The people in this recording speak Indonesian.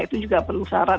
itu juga perlu syarat